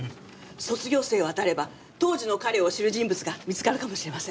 卒業生を当たれば当時の彼を知る人物が見つかるかもしれません。